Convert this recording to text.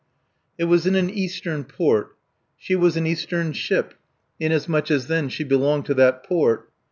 It was in an Eastern port. She was an Eastern ship, inasmuch as then she belonged to that port.